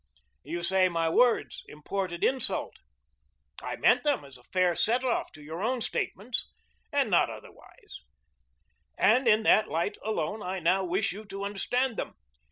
You say my words 'imported insult.' I meant them as a fair set off to your own statements, and not otherwise; and in that light alone I now wish you to understand them.